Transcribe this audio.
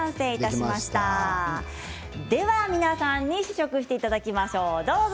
では皆さんに試食していただきましょうどうぞ。